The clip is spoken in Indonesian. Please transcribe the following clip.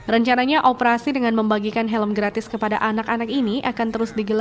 rencananya operasi dengan membagikan helm gratis kepada anak anak ini